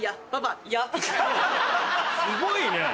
すごいね。